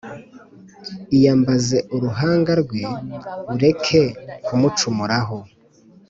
iyambaze uruhanga rwe ureke kumucumuraho